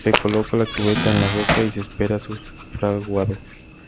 Se coloca la cubeta en la boca y se espera su fraguado.